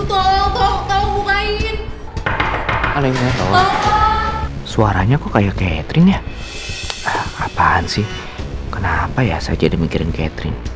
tolong bukain suaranya kayaknya apaan sih kenapa ya saja demikian catherine